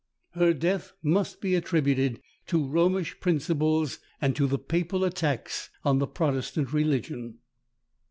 Her death must be attributed to Romish principles, and to the papal attacks on the Protestant religion.